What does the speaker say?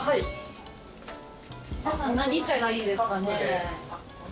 皆さん何茶がいいですかね？